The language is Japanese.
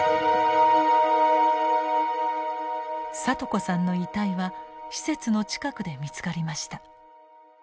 聡子さんの遺体は施設の近くで見つかりました。